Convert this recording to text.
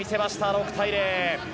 ６対０。